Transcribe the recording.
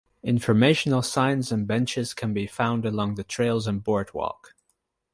Informational signs and benches can be found along the trails and boardwalk.